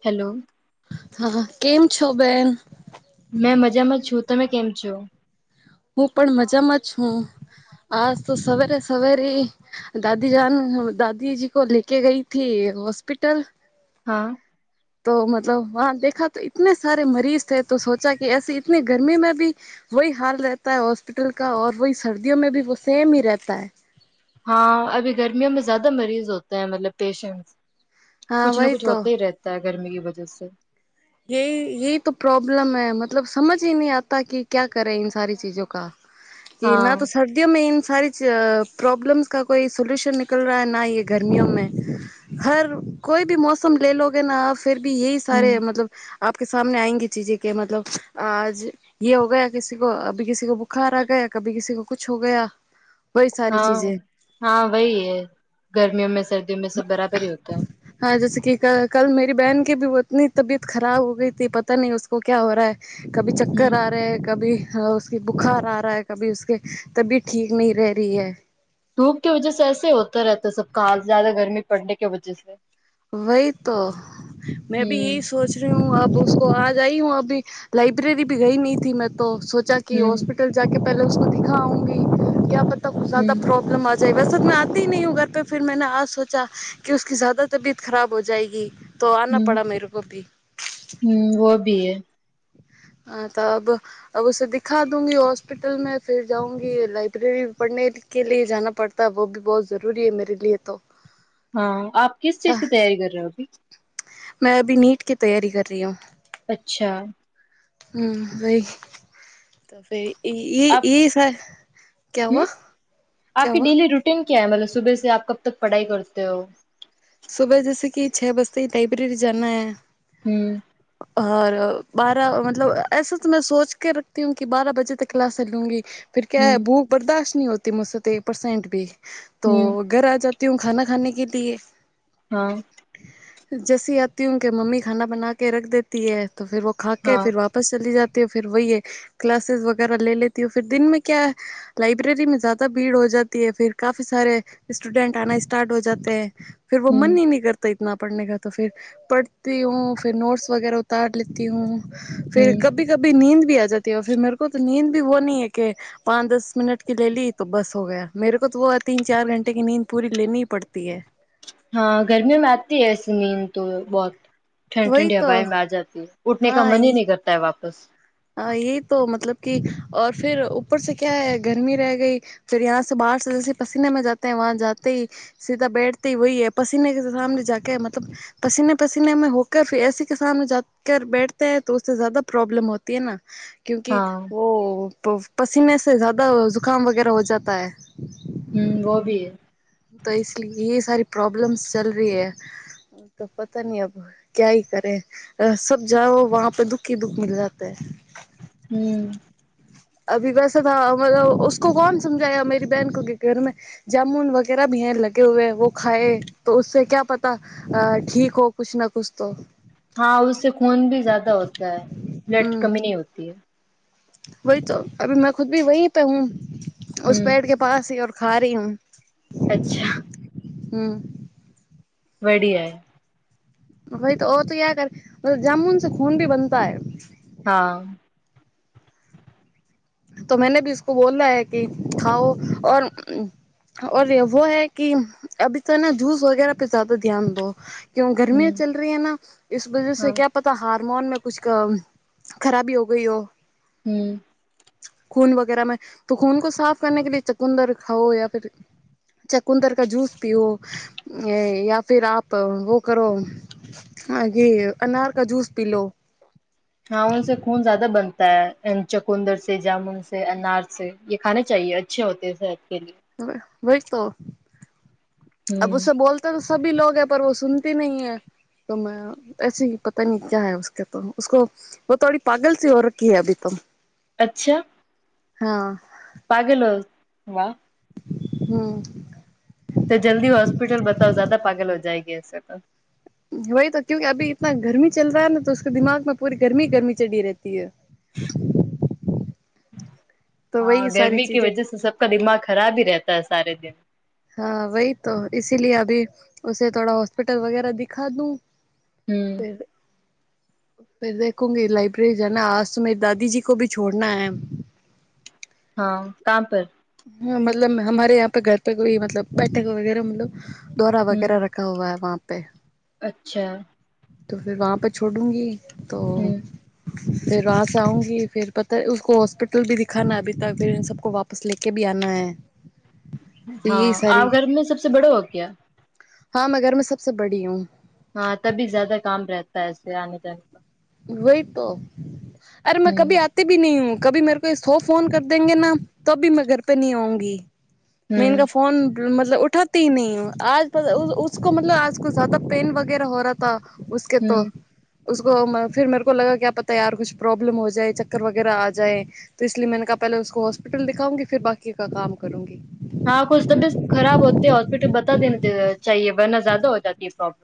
Hello. હા કેમ છો બેન? મેં મજામાં જ છું, તમે કેમ છો? હું પણ મજામાં છું, આજ તો સવારે સવારે દાદી જાન દાદીજી કો લેકે ગઈથી હોસ્પિટલ. હા. તો મતલબ વહા દેખા તો ઇતને સારે મરીજ થે તો સોચા કે એસી ઇતની ગરમી મે ભી વહી હાલ રહેતા હે હોસ્પિટલ કા વહી સર્દીયોમાં ભી સેમ હી રહેતા હે. હા અભી ગરમીયોમે જ્યાદા મરીજ હોતે હે મતલબ પેશન્શ. કુછ ના કુછ હોતા રહેતા હે ગરમી કે વજહસે. યેહી યેહી તો પ્રોબ્લમ હૈ મતલબ સમજ હી નહી આતા કકી ક્યા કરે ઇન સારી ચીજો કા. એના તો સર્જ દ્યો મે ઈન સારી જ પ્રોબ્લેમ્સ કા કોઈ સોલ્યુશન નિકલ રહા ના એ ગરમીઓમે. હર કોઈ ભી મોસમ લે લોગે ના ફિર ભી યેહી સારે મતલબ આપ કે સામને આયેંગી ચીજે કે મતલબ આજ યે હો ગયા કિસી કો અભી કિસી કો બુખાર આ ગયા કભી કીસી કો કુછ હો ગયા. હા હા વહી હૈ ગરમીયો મે સર્દીઓ મે સબ બરાબર હિ હોતા. હા જેસે કી કલ કલ મેરી બહેન કે ભી ઉતની તબિયત ખરાબ હો ગઈ થી પતા ની ઉસકો ક્યા હો રહૈ. કભી ચક્કર આ રહે કભી હ. કે બુખાર આ રા હૈ કભી ઉસ્કી તબીયત ઠીક નહીં ર રહી હૈ. ધૂપ કે વજહ એસે હોતા રહેતા સબ કાલ જાદા ગરમી પડને કે વજહ સે. વહી તો મેં ભી યે હિ સોચ. રહી હું અબ ઉસકો આજ આઈ હુું અભી લાઇબ્રેરી ભી ગઈ ન થી મેં તો સોચા કી હોસ્પિટલ કલ જાકે પહેલે ઉસકો દિખાઉગી કયા પતા કુછ જય્દા પ્રોબ્લમ આ. જે બસ હુ મેે આતી નહી હું ઘર પે ફીર મેને આ સોચા કી ઉસકી જ્યાદા તબિયત ખરાબ હો જાયેગી. તો આના પડા મેરે કો ભી. હમ વો ભી હૈ. હ તો અબ. અબ ઉસે દિખા દુંંગી હોસ્પિટલ મે ફીર જાઉુંંગી લાઇબ્રેરી પડને. કે લઈ જાના પડતા વો ભી બહોત જરૂરી હે મેરે લીએ તો. હા આપ કિસ ચીજ કી તૈયારી કર રહે હો. મેં અભી નીટ કી તૈયારી કર રહી હું. અચ્છા. હમ વહી તો એ એ સ હમ આપકી ડેલી રૂટન ક્યા હે મતલબ સુબે સે આપ કબ તક પઢાઈ કરતે હો. સુબહ જૈસે કી છે બજતે હી લાઈઇબ્રેરી જાના હૈ. હમ. ઓર બારા મતલબ એસા તો મે સોચ કે રખતી હું કે બારા બજે તક ક્લાસ ચ લુંંગી. ફીર ક્યા હૈ ભૂખ બર્દાશત નહી હોતી મુસે તો એક પરસેન્ટ ભી તો ઘર આ જા. તી હું ખાના ખાને કે લીએ. હા. જૈસી આતી હું કે મમી ખાના બના કે રખ દેતી હૈ તો ફીર વ ખાકે ફીર વા. વાપસ ચલી જાતી હું ફીર વઈ હે ક્લાસેસ વગેરા લે લેતી હોય ફીર દિન મે ક્યા. લાબ્રેરી મે જ્યાદા ભીડ હો જાતી હૈ ફીર કાફી સારે સ્ટુડેન્ટ આના સ્ટાર્ટ હો જાતેે હૈ ફીર વો મનની હી નહિ કરતા. તો ઈતના પડને કા તો ફીર પડતી હું ફીર નોટ્સ વગેરા ઉતાર લેતી હું. ફીર કભી કભી નીંદ ભી આજતી હૈ ફીર મેરે કો તો નીંદ ભી વો નહી હે કે. પાંચ દસ મિનટ કે લેલી તો બસ હો ગયા મેરે કો દો ઓર તીન ચાર ઘંન્ટે ક નીંદ પૂરી લેની પડતી હૈ. હા ગરમી મે આતી હે એસી નીંદ તો બહોત ઠ ઠંડી ઠંડી હવાએ મે આ જાતી હું ઉઠને કા મન હી નહી કરતા હે વાપસ હ એ તો મતલબ કે ઓર ફીર ઉપર સે ક્યા હૈ ગરમી ર ગઈ. ફીર યાહા સે બહાર જ પસીને મે જાતેે હે વહા જાતે હી. સીધા બેઠતી વહી પસીને સામને જાકે મતલબ પસીને પસીને મે હો કર આય એસસી કસાન જાર બેઠતે હ તોસે જ્યાદા પ્રોબ્લમ હોતા ના કયુકી વો તો પસીનેથી જ્યાદા જુકામ વગેરા હો જતા હૈ. હમ વો ભી હૈ તો એ સારી પ્રોબ્લેમ્સ ચલ રહી હૈ તો પતા નહી અબ ક્યાય કરે સબ જાઓ વહ પે દુઃખી દુઃખ મલ જતે હ હમ. અભી વેસા થા મતલબકો કોણ સમજાયા મેરી બહેન કો કે ઘર મે જામુન વગેરા ભી હૈ લગે હએ વ ખાએ તોસે ક્યા પતા અ ઠીક હો કછ ના કછ તો હા ઉસે ખૂન ભી જ્યાદા હોતા હ બ્લડ કમી નહી હોતી હ વહી તો અભી મેં ખુદ ભી વહી પે હું પેડ કે પાસેર ખા રહી હુંમ અચ્છા હમ્મ વડી આ ભાઈ તો ઓ તો કયા કરે જામુન ખૂન ભી બનતા હ હા તો મેને ભી ઉસકો બોલાલા હૈ કે ખાઓ વો હૈ કે અભી તો ના જૂસ વગેરા પે જદા ધ્યાન દ કું ગરમિયા ચલ રહી હૈ વજ ક્યા પતા તો હારમોન મે કુછ ખરાબી હો ગય હો હમ્મ ખૂન વગેરામાં તો ખૂન કો સાફ કરવાને કે લ ચકુંંદર ખાઓ યા ફ ચકુંંદર કા જૂસ પિઓ યા ફર આપ વો કરો હે અનાર કા જૂસ પી લો હા સે ખૂન જ્યાદા બનતા હૈ ચકુંદર સ જામુન સ અનાર સ એ ખાણે ચાએ અચ્છે હોતે સહેર કે વહી તો અ બોલ તો તો સભી લોકો હૈ પર સુનતી નહી હૈ તોમે એસે પતા ન ક્યાૈકે તોકો બ થોડી પાગલ સી હો રખી હ અભી ત અચ્છા હા પાગલઓ વાહ હમ તો જલ્દી હોસ્પિટલ બતાો જદા પાગલ હો જાયગ એ તો વહી તો ક્યુ કે અભી તના ગરમી ચલ રહાે ને તો દિમાગમાં પૂરી ગરમી ગરમી ચડીી રહેતી તો વહી સારી ચીજે ઉસકા દિમાગ ખરાબ હી રહેતા હે સારે દિન હા વહી તો સીલય અભી ઉસે થોડા હોસ્પિટલ વગેરા દિખા દુ [inaudible] ફે દેખુંગી લાઇબ્રેરી જ આજ તો મેરી દાદીજીી કો ભી છોડના હૈ હા કામ પર હા મતલબ હમારે યાં પે ઘર પે કોઈ મતલબ બેઠે વગેરે મત દ્વારા વગેરા રખ રઠાવા હ વહં પે અચ્છા તો ફર વં પે છોડુંંગી તો ર વા આઉંગી ફર પતા હોસ્પિટલ ભ દિખા અભી તક ફ એન સબ કો વાપસ લે કે ભી આના હૈ હા આ ઘર મે સબસે બડો હો ક્યા હા મેં ઘરં સબસે બડી હું હા તબી જ્યાદા કામ રહેતાસે આને જણે વહી તો અરે મેં કભી આતે ભી નહી હું કભી મે સો ફોન કર દેંગે ના તી મેં ઘર પે ન આઉંગી મેં એનકા ફોન મતલબ ઉઠાતી ન હ આજ મતલબ આજ કો જદા પેન વગેરા હો કે તોકો ફર મેરે કો લગા કે આપ પ હતા યાર કુછ પ્રોબ્મ હો જાય ચક્કર વગેરે આ જાાય. તો લીે મે કા પહેલા હ હોસ્પિટલ દેખાઉંગી ફિ બાકી ક કામ કરુ હા કુઈ તબિયત ખરાબ હોતી હોસ્પિટલ બતા દે ચએ વરના જ્યાદા હો જતી એ પ્રોબ્લમ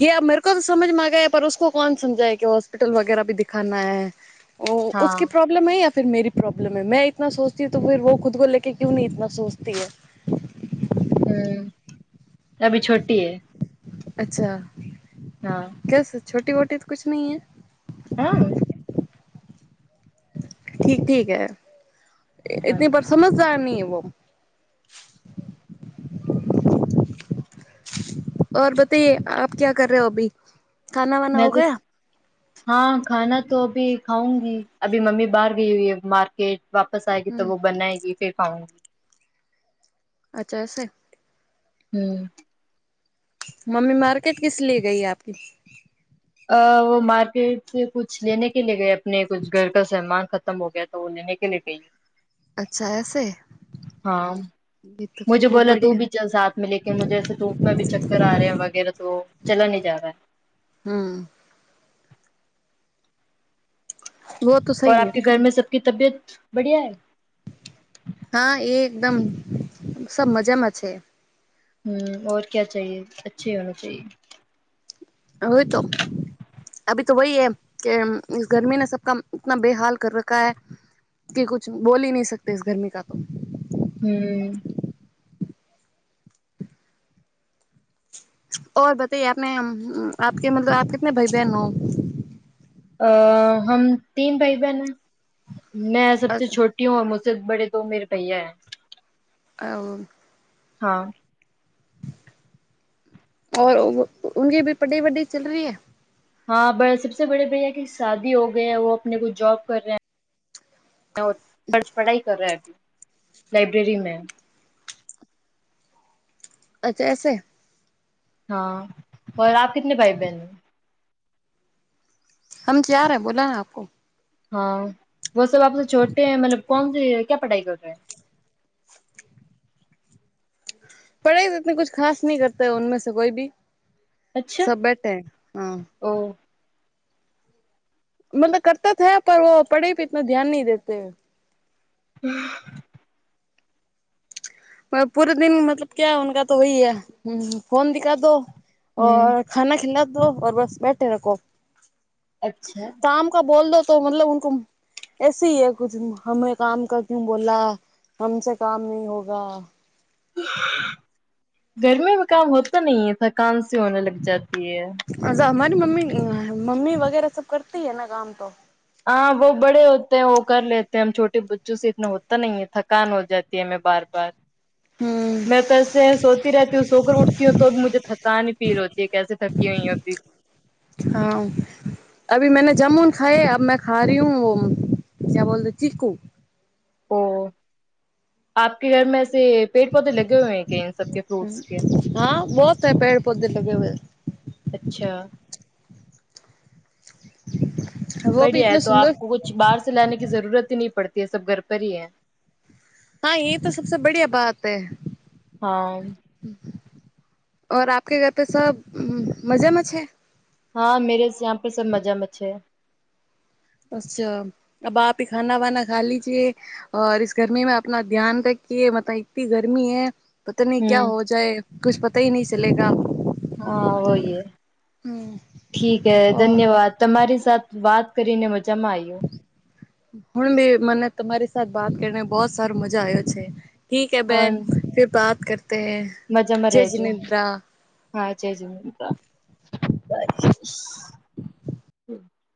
હ મેરે કો તો સમજમાં ગયા પરકો કોણ સમજા કે હોસ્પિટલ વગેરા ભી દિખાૈ [unintelligible] પ્રમ યા મેરી પ્રોબ્લમ હ મેં ત સોચતી હુ, તો ફ વો ખુદ કો લે કે ક્યુ નહીનેતના સોચતી હમ અભી છોટી હૈ અચ્છા હા કેસ છોટી વોટી તો કુછ નહીં હૈ હમ ઠીક ઠીક હ એતની બરસો- - સમજદાર નહીં હૈ વો ઓર બતાઈએ આપ ક્યા કર રહ હો અભી ખાના વાના હો ગયા હા ખાના તો અભી ખાઉંગી અભી મમ્મી બહાર ગઈ હુંઈ હે માારકેટ વાપસ આયેગી તો વો બનાએગી [unintelligible] અચ્છાશે હમ મમ્મી માારકેટ કીસ લીયે ગઈ હે આપકી અ વ માાર્કેટ કુછ લેને કે લીયે ગયે અપને કુછ ઘર કા કુછ સામન ખતમ હો ગયા તો લેને કે લીયે ગઈ હ મુજે બોલા તું ભી ચલ સાથ મે લેકે મુજે એસે ધૂપમેં ભી ચક્કર આ રહે વગેરે તો ચલા નઈ જા રહા હમ ઓર આપકે ઘર મે સબ કી તબીયત બઢિયા હૈ હા એ એકદમ સબ મજામાં છે હમ ઓર ક્યા ચાઈએ અચ્છી હોના ચાઈએ હવે તો અભી તો વહી હૈ કે ગરમીને સબ કા ઉતના બેહાલ કર રખા હૈ કી કુછ બોલ ઈ નઈ સકતે ઈસ ગરમી કા હમ ઓ બતાયે આપને આપ કે મતલબ આપ કીતને ભાઈ બહેન હો અ હમ તીન ભાઈ બહેન હૈ મેં સબસે છોટ ટી હો મુસે બડે દો મેરે ભૈયા હૈ અમ હા ઓર ઉનકી ભી પઢાઈ વડાય ચલ રહી હૈ હા બ સબસે બડે ભૈયા કે શાદી હો ગય હૈ વો અપને કુછ જોબ કર રહે હૈ ખર્ચ પઢાઈ કર રહ્ય લાાઈબ્રેરી મે અચ્છા એસે હા ઓર આપ કીતને ભાઈ બહેન હો હમ ચાર હે બોલા આપકો હા વો સબ આપ છોટે હ મતલબ કોન સે ક્યા પઢાઈ કરતે હૈ પઢાઈ તો ઇતની કુછ ખાસ નહી કરતે ઉનમે સે કોઈ ભી સબ બેઠે હૈ ઓ મતલબ કરતે થે પર વો પઢાઈ પે ઈતના ધ્યાન નહી દેતે [unintelligible] પૂરે દિન મતલબ ક્યાકા તો વહી હ હ ફોન દિખા દો ઓ ખાના ખીલા દો બસ બેઠે રખો અચ્છા કો બોલ દો તો મતલબ ઉનકો એસ હિ કછ હમે કામ કરતી હું બોલા હમસે કામ નહી હોગા ગરમીમે કામ હોતા નહી થકાન સી હોને લગ જાતી હે અ અમારી મમ્મી મમી વગેરે સબ કરતી હૈ ના કામ તો હા વો બડે હોતે હૈ વો કર લેતેે હમ છોટે બચ્ચોથી ઈતના હોતા નહીં થકાન હો જાતી હે હમે બાર બાર [inaudible] મેં તો એસે સોતી રહેતી હું સોકર ઉઠતી હું તો મુજે થકની ફીલ હોતી હૈ કેસે થકી હોઈયી હા અભી મેને જામુન ખાાય અબ મે ખા રહી હુ, ક્યા બોલતે ચીકુ ઓ આપ કે ઘર મેસે પેડ પૌધે લગે હૈ કે એન સબ કે ફ્રૂટ્સ કે અચ્છા વ ભી એતના સુંદર બહાર સ લાનેની જરૂરત નં પડતી હ સબ ઘર પર હૈ હા એ તો સબસે બડિયા બાત હૈ હાઈ આપકે ગતે સબ મજા મચ છે. હા મેરે યાં પર સબ મજા મચે હૈ અચ્છા અબ આપે ખાના વનાા ખા લીજે અ ગરમી મે આપના ધ્યાન રાખએ મત ની ગરમી હૈ પતા નહી ક્યા હો જાય કછ પતા હ નહી ચલેગ હા વહી ઠીક હ ધન્યવાદ તમારી સાથે વાત કરીને મજામાં આવ્યો હણ બી મને તમારી સાથે વાત કરીને બહત સાર મજા આવ્યો છે. ઠીક હ હા બહેન ફર બાત કરતે હૈ મજામાં જય રેજો. જિનેન્દ્રા [unintelligible]